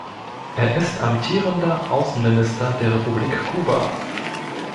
Er ist amtierender Außenminister der Republik Kuba.